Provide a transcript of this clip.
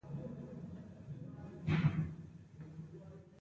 د علامه رشاد لیکنی هنر مهم دی ځکه چې عربي تسلط لري.